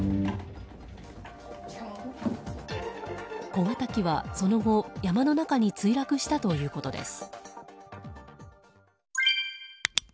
小型機はその後、山の中に墜落したということです。